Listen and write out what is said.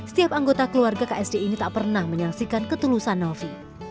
setiap anggota keluarga ksd ini tak pernah menyaksikan ketulusan novi